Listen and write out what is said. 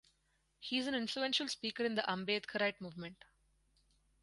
He is an influential speaker in the Ambedkarite movement.